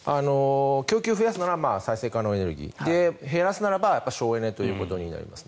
供給を増やすなら再生可能エネルギー減らすならば省エネということになります。